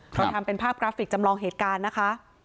เราทำเป็นภาพกราฟิกจำลองเหตุการณ์นะคะ